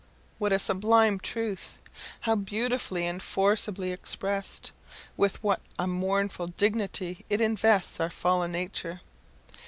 What a sublime truth! How beautifully and forcibly expressed! With what a mournful dignity it invests our fallen nature!